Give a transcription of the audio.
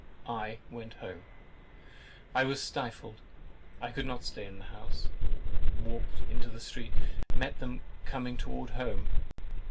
I went home. I was stifled. I could not stay in the house, walked into the street and met them coming towards home.